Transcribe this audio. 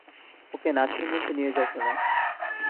ওকে নাচের মঞ্চে নিয়ে যাও, সোনা!